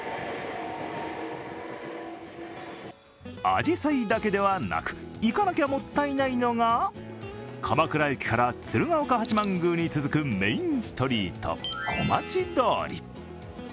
あじさいだけではなく行かなきゃもったいないのが鎌倉駅から鶴岡八幡宮に続くメーンストリート、小町通り。